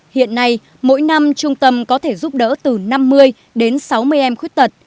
hiện nay mỗi năm trung tâm có thể giúp đỡ từ năm mươi đến sáu mươi em khuyết tật